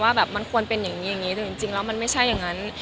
แบบมันควรเป็นอย่างนี้อย่างนี้แต่จริงแล้วมันไม่ใช่อย่างนั้น